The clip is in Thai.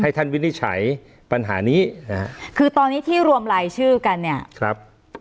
ท่านวินิจฉัยปัญหานี้นะฮะคือตอนนี้ที่รวมรายชื่อกันเนี่ยครับ